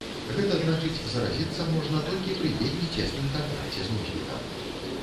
Гэта значыць, заразіцца можна толькі пры вельмі цесным кантакце з носьбітам.